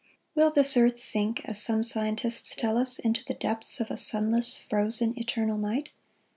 Will this earth sink, as some scientists tell us, into the depths of a sunless, frozen, eternal night?